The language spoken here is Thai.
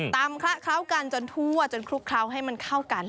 ตำครับเข้ากันจนถั่วจนคลุกเคล้าให้มันเข้ากัน